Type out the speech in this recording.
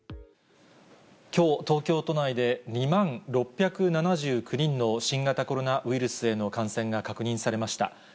きょう、東京都内で２万６７９人の新型コロナウイルスへの感染が確認されました。